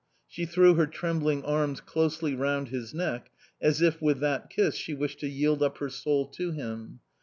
She threw her trembling arms closely round his neck, as if with that kiss she wished to yield up her soul to him.